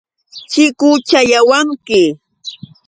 Chikuchayawanki.